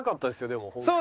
でもホントに。